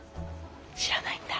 知らないんだ。